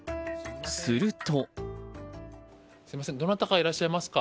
すると。